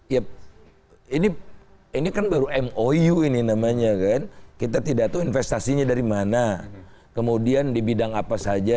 ya ini kan baru mou ini namanya kan kita tidak tahu investasinya dari mana kemudian di bidang apa saja